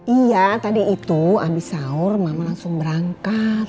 iya tadi itu abis sahur mama langsung berangkat